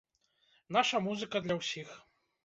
Наша музыка для ўсіх!